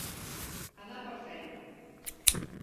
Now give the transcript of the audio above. Anar per feina.